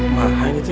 mahal gitu ya